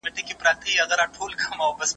الله تعالی ميرمن هم د حقوقو څخه برخمنه ګڼلې ده.